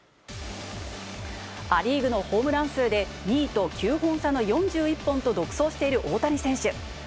ア・リーグのホームラン数で２位と９本差の４１本と、独走している大谷選手。